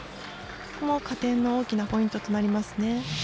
加点の大きなポイントとなりますね。